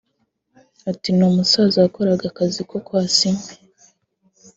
Ati “ Ni umusaza wakoraga akazi ko kwasa inkwi